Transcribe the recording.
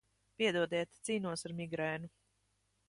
Piedodiet, cīnos ar migrēnu.